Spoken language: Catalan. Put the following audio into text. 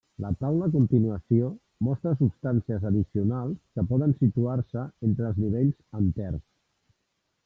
La taula a continuació mostra substàncies addicionals que poden situar-se entre els nivells enters.